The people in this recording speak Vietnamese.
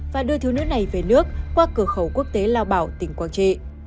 và đưa thú nữ này về nước qua cửa khẩu quốc tế lao bảo tỉnh quang trị